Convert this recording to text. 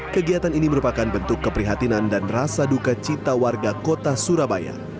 kegiatan ini merupakan bentuk keprihatinan dan rasa duka cita warga kota surabaya